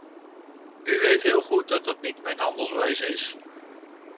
U weet heel goed dat dat niet mijn handelswijze is.